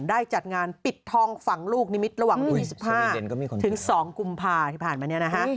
จัดงานปิดทองฝั่งลูกนิมิตรระหว่างวันที่๒๕ถึง๒กุมภาที่ผ่านมาเนี่ยนะฮะ